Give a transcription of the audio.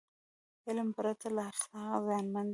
علم پرته له اخلاقه زیانمن دی.